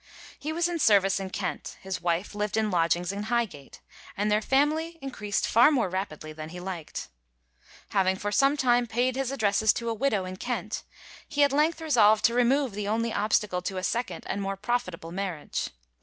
He was in service in Kent, his wife lived in lodgings in Highgate, and their family increased far more rapidly than he liked. Having for some time paid his addresses to a widow in Kent, he at length resolved to remove the only obstacle to a second and more profitable marriage.